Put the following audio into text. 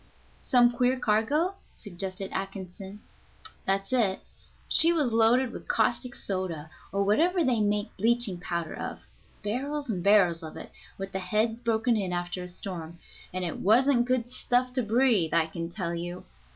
"Some queer cargo?" suggested Atkinson. "That's it. She was loaded with caustic soda, or whatever they make bleaching powder of barrels and barrels of it, with the heads broke in after a storm, and it wasn't good stuff to breathe, I can tell you.